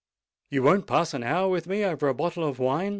"You won't pass an hour with me over a bottle of wine?"